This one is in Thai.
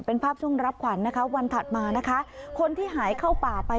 เป็นภาพช่วงรับขวัญนะคะวันถัดมานะคะคนที่หายเข้าป่าไป